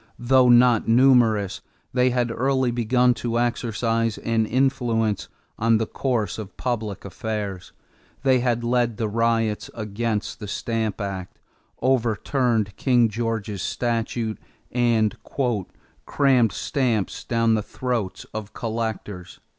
Though not numerous, they had early begun to exercise an influence on the course of public affairs. They had led the riots against the Stamp Act, overturned King George's statue, and "crammed stamps down the throats of collectors."